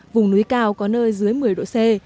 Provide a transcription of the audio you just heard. vùng núi cao có nơi dưới một mươi độ c